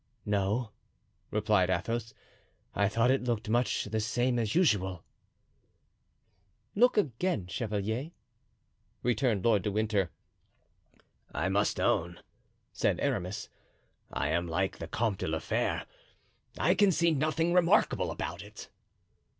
"No," replied Athos; "I thought it looked much the same as usual." "Look, again, chevalier," returned Lord Winter. "I must own," said Aramis, "I am like the Comte de la Fere—I can see nothing remarkable about it."